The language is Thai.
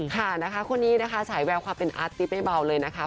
ค่ะนะคะคนนี้นะคะฉายแววความเป็นอาร์ติ๊บไม่เบาเลยนะคะ